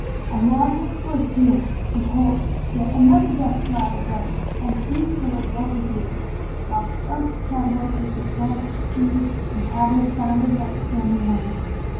And while this was doing, behold, yet another cloud of dust arose and flew till it walled the view, whilst earth trembled with the tramp of steed and tabors sounded like stormy winds.